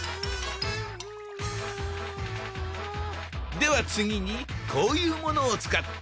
では次にこういうものを使って。